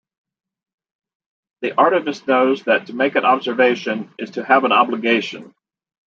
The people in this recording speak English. The artivist knows that to make an observation is to have an obligation.